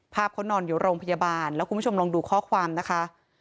เขานอนอยู่โรงพยาบาลแล้วคุณผู้ชมลองดูข้อความนะคะ